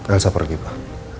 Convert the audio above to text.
elsa pergi pak